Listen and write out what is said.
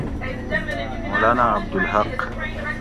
مولانا عبدالحق